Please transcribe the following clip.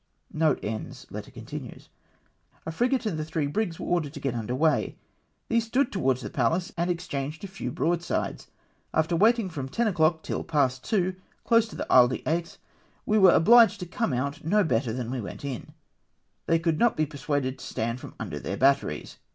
o 2 196 FRENCH SIGNAL HOUSES. " A frigate and tlie three brigs were ordered to get under weigh. These stood towards the Pallas and exchanged a few broadsides. After waiting from ten o'clock till past two, close to Isle d'Aix, we were obliged to come out no better than we went in. They could not be persuaded to stand from under their batteries.